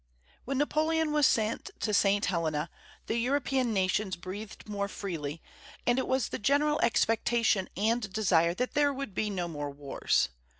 When Napoleon was sent to St. Helena, the European nations breathed more freely, and it was the general expectation and desire that there would be no more wars.